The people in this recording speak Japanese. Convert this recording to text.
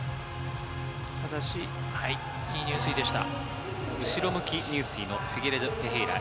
ただし、いい入水でした。